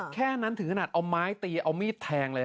แค่นั้นถึงขนาดเอาไม้ตีเอามีดแทงเลย